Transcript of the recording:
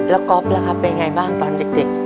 แล้วก๊อฟล่ะครับเป็นไงบ้างตอนเด็ก